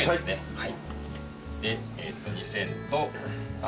はい。